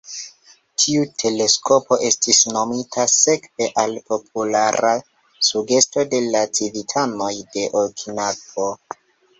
Tiu teleskopo estis nomita sekve al populara sugesto de la civitanoj de Okinavo.